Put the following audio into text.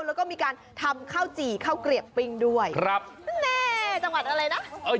แล้วก็มีการทำข้าวจี่ข้าวเกรียบปิ้งด้วยจังหวัดอะไรเนี่ย